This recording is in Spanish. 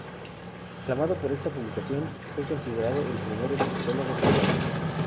Aclamado por esta publicación fue considerado el primer Egiptólogo británico.